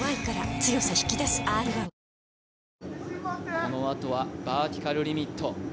このあとはバーティカルリミット。